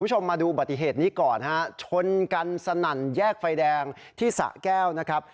คุณผู้ชมมาดูบัติเหตุนี้ก่อนฮะชนกันสนั่นแยกไฟแดงที่สะแก้วนะครับ